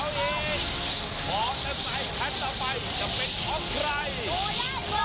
อ๋อนับใหม่คันต่อไปจะเป็นของใคร